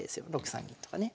６三銀とかね。